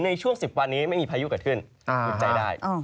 ในช่วง๑๐วันนี้ไม่มีพายุเกิดขึ้นใจได้